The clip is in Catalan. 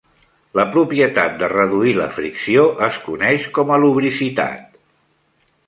La propietat de reduir la fricció es coneix com a lubricitat.